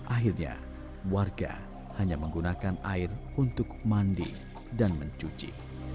akhirnya warga hanya menggunakan air untuk mandi dan mencuci